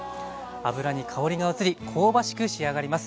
油に香りが移り香ばしく仕上がります。